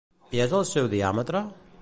I és el seu diàmetre?